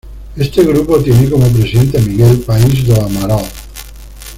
Este grupo tiene como presidente a Miguel Pais do Amaral.